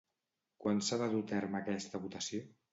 Quan s'ha de dur a terme aquesta votació?